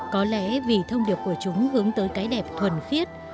có lẽ vì thông điệp của chúng hướng tới cái đẹp thuần khiết